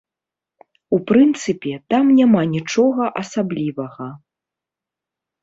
У прынцыпе, там няма нічога асаблівага.